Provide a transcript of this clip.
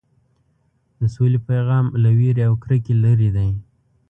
د سولې پیغام له وېرې او کرکې لرې دی.